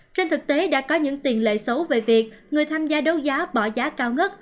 trên thực tế đã có những tiền lệ xấu về việc người tham gia đấu giá bỏ giá cao ngất